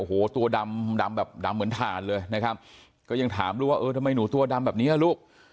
โอ้โหตัวดำดำแบบดำเหมือนถ่านเลยนะครับก็ยังถามลูกว่าเออทำไมหนูตัวดำแบบนี้ลูก